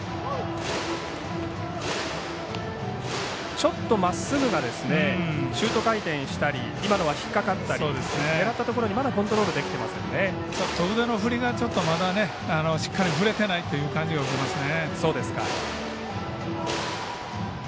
ちょっとまっすぐがシュート回転したり今のは引っ掛かったり狙ったところにちょっと腕の振りがまだしっかり振れてないという感じを受けますね。